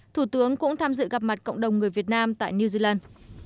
thủ tướng cũng tham dự gặp mặt cộng đồng người việt nam tại new zealand